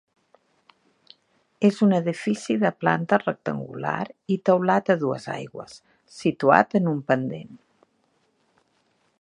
És un edifici de planta rectangular, i teulat a dues aigües, situat en un pendent.